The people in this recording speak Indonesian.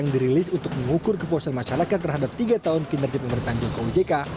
di tiga tahun pemerintahan jokowi jk